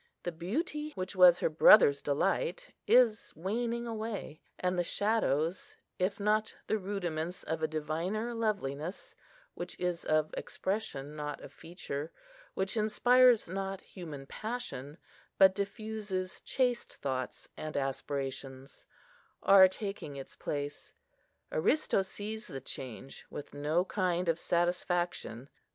The beauty, which was her brother's delight, is waning away; and the shadows, if not the rudiments of a diviner loveliness, which is of expression, not of feature, which inspires not human passion, but diffuses chaste thoughts and aspirations, are taking its place. Aristo sees the change with no kind of satisfaction.